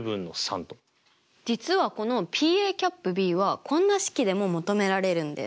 実はこのＰはこんな式でも求められるんです。